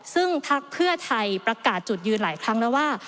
ซึ่งพักเพื่อไทยประกาศจุดยืนหลายครั้งแล้วว่า